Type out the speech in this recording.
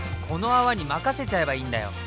この泡に任せちゃえばいいんだよ！